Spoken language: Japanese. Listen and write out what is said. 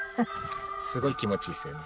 すごい気持ちいいっすよね。